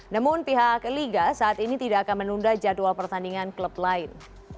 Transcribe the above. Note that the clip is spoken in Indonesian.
namun pihak liga saat ini tidak akan menunda jadwal pertandingan klub lain